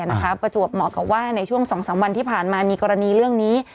ประจวบเหมาะกับว่าในช่วง๒๓วันที่ผ่านมามีกรณีเรื่องนี้